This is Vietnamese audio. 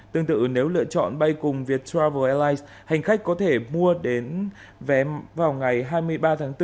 tương tự nếu lựa chọn bay cùng viettravel airlines hành khách có thể mua đến vé vào ngày hai mươi ba tháng bốn